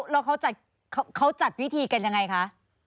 แล้วเขาจัดวิธีกันยังไงคะ